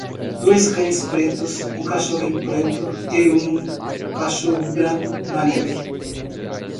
Dois cães pretos? um cachorrinho preto? e um cachorro branco na neve.